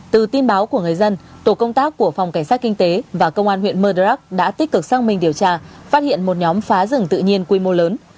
từ tin báo của người dân tổ công tác của phòng cảnh sát kinh tế và công an huyện mơ đrắc đã tích cực sang mình điều tra phát hiện một nhóm phá rừng tự nhiên quy mô lớn